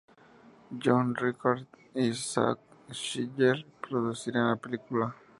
John Rickard y Zack Schiller producirían la película.